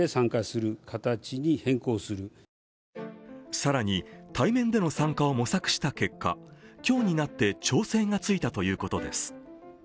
更に、対面での参加を模索した結果、今日になって調整がついたということです。